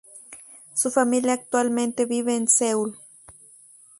Su familia actualmente vive en Seúl.